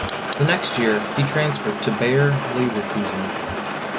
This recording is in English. The next year, he transferred to Bayer Leverkusen.